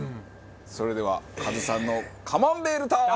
それではカズさんのカマンベールタイム！